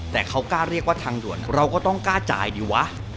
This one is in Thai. แต่เขากล้าเรียกว่าทางด่วนเราก็ต้องกล้าจ่ายดีวะ